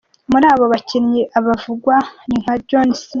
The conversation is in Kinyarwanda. Muri abo bakinnyi abavugwa ni nka John C.